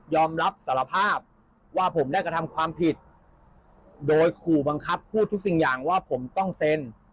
อมรับสารภาพว่าผมได้กระทำความผิดโดยขู่บังคับพูดทุกสิ่งอย่างว่าผมต้องเซ็น